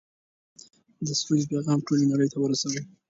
د سولې پيغام ټولې نړۍ ته ورسوئ.